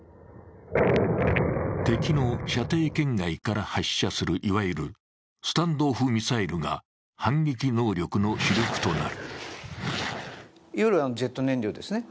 敵の射程圏外から発射するいわゆるスタンド・オフ・ミサイルが反撃能力の主力となる。